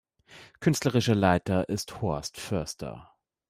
Künstlerischer Leiter ist Horst Förster.